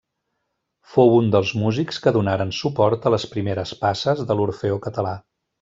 Fou un dels músics que donaren suport a les primeres passes de l'Orfeó Català.